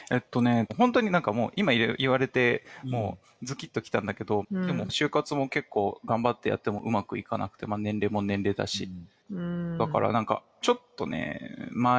本当に何か今言われてズキッときたんだけど就活も結構頑張ってやってもうまくいかなくて年齢も年齢だしだから何かちょっとね迷ってしまってる。